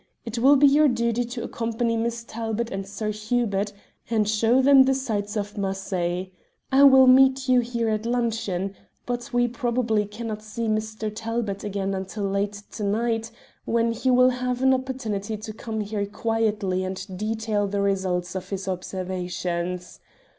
It will be your duty to accompany Miss Talbot and Sir Hubert, and show them the sights of Marseilles. I will meet you here at luncheon, but we probably cannot see Mr. Talbot again until late to night, when he will have an opportunity to come here quietly and detail the results of his observations.